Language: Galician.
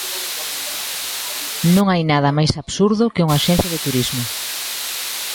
Non hai nada máis absurdo que unha axencia de turismo.